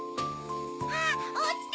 あっおちた！